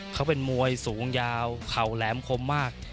เขาเป็นมวยสูงยาวเข่าแหลมคมมาก